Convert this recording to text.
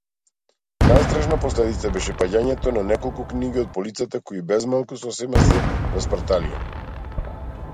Најстрашна последица беше паѓањето на неколку книги од полицата кои безмалку сосема се распарталија.